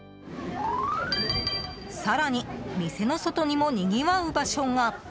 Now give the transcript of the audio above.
更に店の外にもにぎわう場所が。